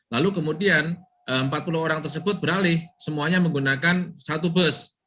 lalu kemudian empat puluh orang tersebut beralih semuanya menggunakan satu bus